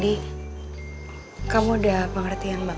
itu tuh yang bersih dong